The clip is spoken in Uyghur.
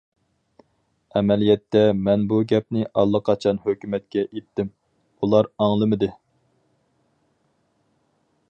ئەمەلىيەتتە مەن بۇ گەپنى ئاللىقاچان ھۆكۈمەتكە ئېيتتىم، ئۇلار ئاڭلىمىدى.